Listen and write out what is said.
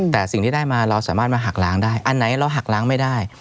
แต่สิ่งที่ได้มาเราสามารถมาหักล้างได้อันไหนเราหักล้างไม่ได้